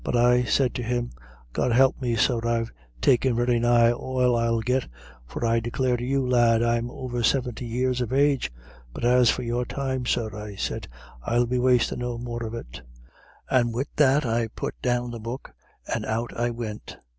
But I said to him, 'God help me, sir, I've taken very nigh all I'll get, for I declare to you, lad, I'm over seventy years of age. But as for your time, sir,' I said, 'I'll be wastin' no more of it.' And wid that I put down the book, and out I wint.